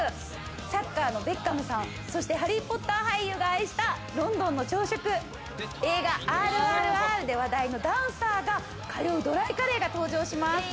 サッカーのベッカムさん、そしてハリー・ポッター俳優が愛したロンドンの朝食、映画『ＲＲＲ』で話題のダンサーが通うドライカレーが登場します。